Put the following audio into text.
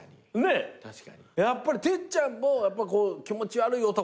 やっぱりてっちゃんも気持ち悪い男